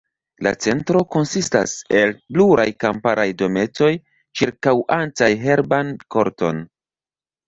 La Centro konsistas el pluraj kamparaj dometoj ĉirkaŭantaj herban korton.